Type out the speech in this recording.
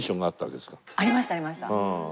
ありましたありました。